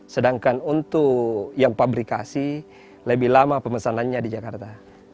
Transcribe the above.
sedangkan untuk yang pabrikasi lebih lama pemesanannya di jakarta